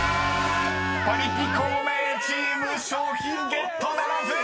［パリピ孔明チーム賞品ゲットならず！］